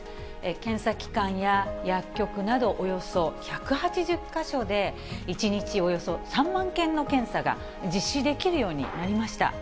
検査機関や薬局など、およそ１８０か所で、１日およそ３万件の検査が実施できるようになりました。